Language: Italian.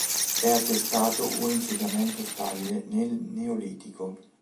È attestato un insediamento stabile nel Neolitico.